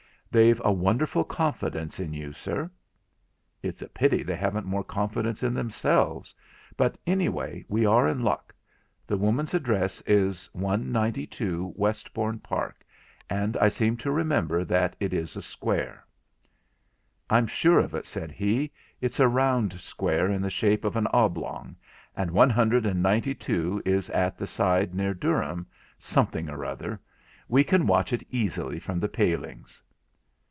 They've a wonderful confidence in you, sir.' 'It's a pity they haven't more confidence in themselves—but anyway, we are in luck. The woman's address is 192, Westbourne Park, and I seem to remember that it is a square.' 'I'm sure of it,' said he; 'it's a round square in the shape of an oblong, and one hundred and ninety two is at the side near Durham something or other; we can watch it easily from the palings.'